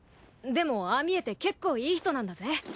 でもああ見えて結構いい人なんだぜ。